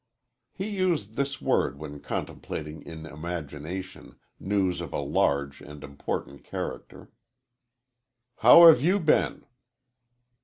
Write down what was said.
He used this word when contemplating in imagination news of a large and important character. "How have you been?"